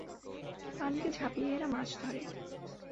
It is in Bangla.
পানিতে ঝাঁপিয়ে এরা মাছ ধরে।